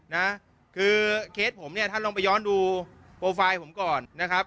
นะคือเคสผมเนี่ยท่านลองไปย้อนดูโปรไฟล์ผมก่อนนะครับ